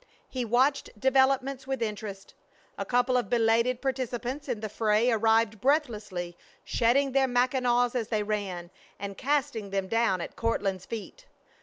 He watched developments with interest. A couple of belated participants in the fray arrived breathlessly, shedding their mackinaws as they ran, and casting them down at Courtland's feet.